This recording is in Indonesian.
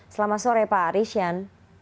selamat sore pak rishian